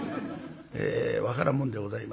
ええ分からんもんでございます。